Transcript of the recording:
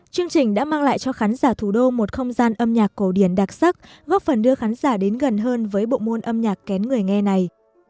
chương trình đã mang lại cho khán giả thủ đô một không gian âm nhạc cổ điển đặc sắc góp phần đưa khán giả đến gần hơn với bộ môn âm nhạc kén người nghe này